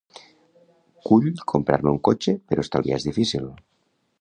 Cull comprar-me un cotxe però estalviar és difícil.